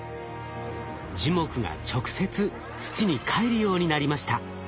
樹木が直接土にかえるようになりました。